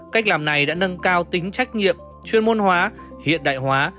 cách làm này đã nâng cao tính trách nhiệm chuyên môn hóa hiện đại hóa